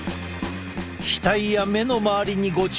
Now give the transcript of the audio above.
額や目の周りにご注目。